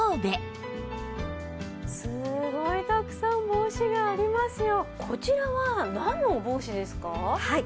すごいたくさん帽子がありますよ！